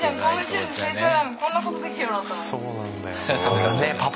そうなんだよ。